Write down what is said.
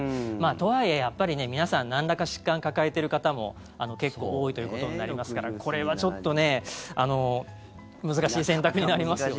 とはいえ、やっぱり皆さんなんらか疾患抱えている方も結構多いということになりますからこれはちょっと難しい選択になりますよね。